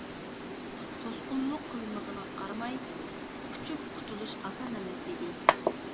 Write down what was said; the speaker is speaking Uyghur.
توسقۇنلۇق قىلمىغىنىغا قارىماي، ئۇچۇپ قۇتۇلۇش ئاسان ئەمەس ئىدى.